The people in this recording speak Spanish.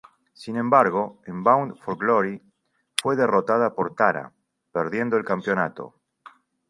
Sin embargo, en "Bound for Glory" fue derrotada por Tara, perdiendo el campeonato.